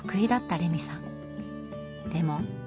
でも。